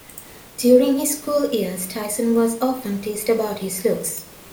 During his school years, Tyson was often teased about his looks.